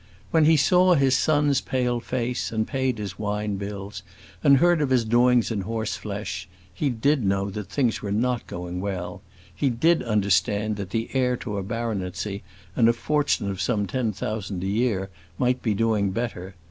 When he saw his son's pale face, and paid his wine bills, and heard of his doings in horse flesh, he did know that things were not going well; he did understand that the heir to a baronetcy and a fortune of some ten thousand a year might be doing better.